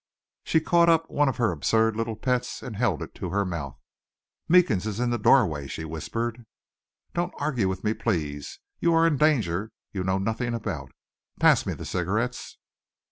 She caught up one of her absurd little pets and held it to her mouth. "Meekins is in the doorway," she whispered. "Don't argue with me, please. You are in danger you know nothing about. Pass me the cigarettes."